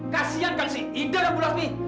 kasihankan si ida dan bu lasmi